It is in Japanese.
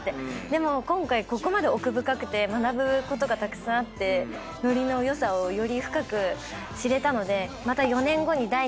でも今回ここまで奥深くて学ぶことがたくさんあってのりの良さをより深く知れたのでまた。